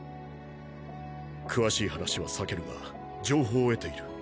詳しい話は避けるが情報を得ている。